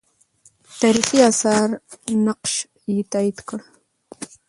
تاریخي آثار نقش یې تایید کړ.